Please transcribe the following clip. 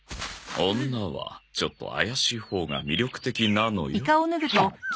女はちょっと怪しいほうが魅力的なのよ。